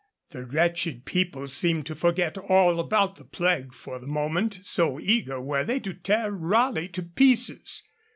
The wretched people seemed to forget all about the plague for the moment, so eager were they to tear Raleigh to pieces.